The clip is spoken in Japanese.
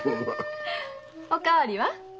お代わりは？